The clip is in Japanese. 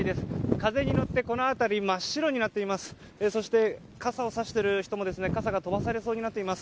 風に乗って、この辺り真っ白になっています。